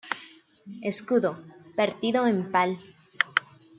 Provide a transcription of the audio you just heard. Escudo: partido en pal.